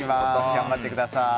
頑張ってください。